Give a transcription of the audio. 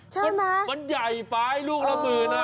ใช่มั้ยมันใหญ่ไปลูกละหมื่นอ่ะ